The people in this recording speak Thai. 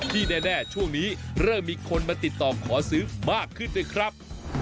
แน่ช่วงนี้เริ่มมีคนมาติดต่อขอซื้อมากขึ้นด้วยครับ